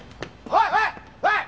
おい！